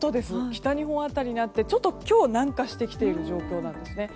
北日本辺りにあってちょっと今日南下してきている状況なんです。